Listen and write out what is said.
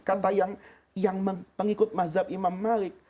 kata yang pengikut mazhab imam malik